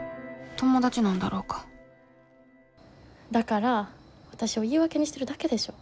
ともだちなんだろうかだからわたしを言い訳にしてるだけでしょ。